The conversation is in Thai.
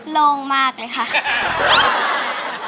โล่งมากเลยค่ะ